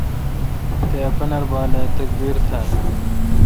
تے ا پنر بال اے°تکبیر تھال۔